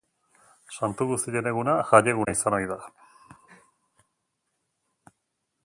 Santu Guztien Eguna jaieguna izan ohi da.